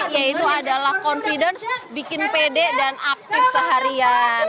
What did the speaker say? yaitu adalah confidence bikin pede dan aktif seharian